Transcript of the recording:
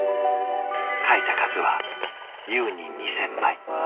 描いた数は優に２，０００枚。